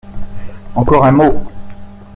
Encore un mot.